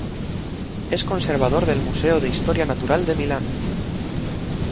Es conservador del Museo de Historia Natural de Milán.